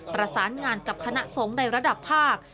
ประสานงานกับคณะสงฆ์ในระดับภาค